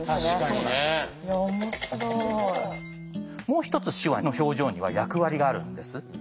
もう一つ手話の表情には役割があるんです。